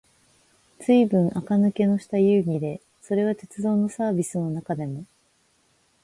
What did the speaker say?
ずいぶん垢抜けのした遊戯で、それは鉄道のサーヴィスの中でも、